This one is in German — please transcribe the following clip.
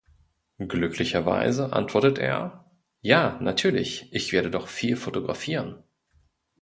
Glücklicherweise antwortet er: "Ja, natürlich, ich werde doch viel fotografieren."